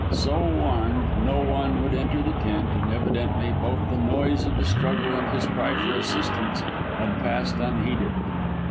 So warned, no one would enter the tent, and evidently both the noise of the struggle and his cry for assistance had passed unheeded.